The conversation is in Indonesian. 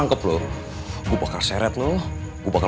mama punya rencana